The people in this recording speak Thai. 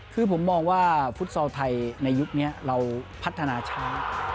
คือผมมองว่าฟุตซอลไทยในยุคนี้เราพัฒนาช้า